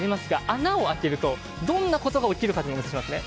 穴を開けるとどんなことが起きるかをお見せしますね。